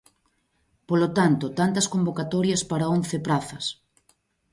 Polo tanto, tantas convocatorias para once prazas.